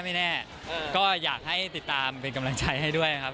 ไม่แน่ก็อยากให้ติดตามเป็นกำลังใจให้ด้วยครับ